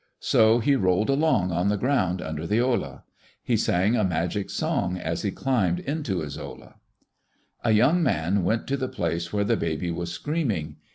So he rolled along on the ground under the olla. He sang a magic song as he climbed into his olla. A young man went to the place where the baby was screaming.